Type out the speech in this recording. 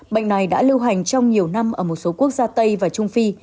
bệnh này đã lưu hành trong nhiều năm ở một số quốc gia tây và trung phi